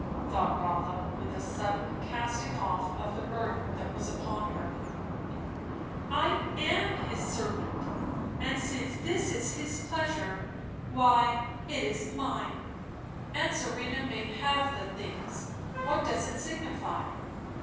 thought Rotha, with a sudden casting off of the burden that was upon her; I am his servant; and since this is his pleasure, why, it is mine. Aunt Serena may have the things; what does it signify?